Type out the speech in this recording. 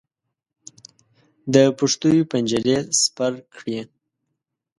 د پښتیو پنجرې سپر کړې.